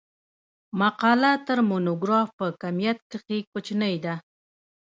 مقاله تر مونوګراف په کمیت کښي کوچنۍ ده.